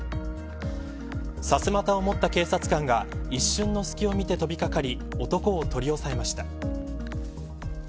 さすまたを持った警察官が一瞬の隙をみて飛びかかり男を取り押さえました。